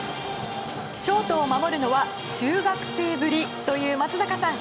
ショートを守るのは中学生ぶりという松坂さん。